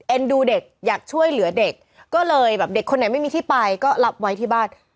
ดูเด็กอยากช่วยเหลือเด็กก็เลยแบบเด็กคนไหนไม่มีที่ไปก็รับไว้ที่บ้าน